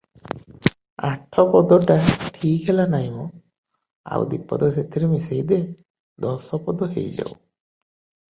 "ଆଠ ପଦଟା ଠିକ୍ ହେଲା ନାହିଁ ମା, ଆଉ ଦିପଦ ସେଥିରେ ମିଶାଇ ଦେ- ଦଶପଦ ହେଇଯାଉ ।